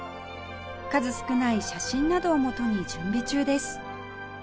数少ない写真などを元に準備中です